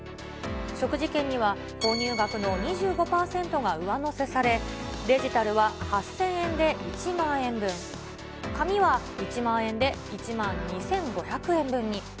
食事券には、購入額の２５％が上乗せされ、デジタルは８０００円で１万円分、紙は１万円で１万２５００円分に。